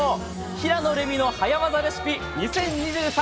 「平野レミの早わざレシピ２０２３